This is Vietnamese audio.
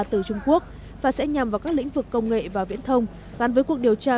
từ trung quốc và sẽ nhằm vào các lĩnh vực công nghệ và viễn thông gắn với cuộc điều tra